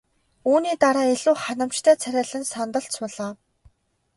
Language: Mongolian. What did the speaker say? Үүний дараа илүү ханамжтай царайлан сандалд суулаа.